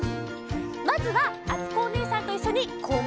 まずはあつこおねえさんといっしょにこまったかお！